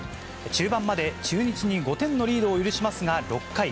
中盤まで中日に５点のリードを許しますが、６回。